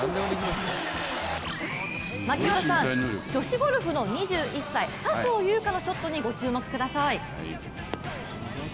槙原さん、女子ゴルフの２１歳笹生優花のショットにご注目ください。